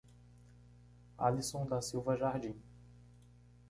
Alisson da Silva Jardim